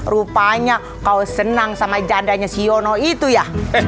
rupanya kau seneng sama jadainya si yono itunya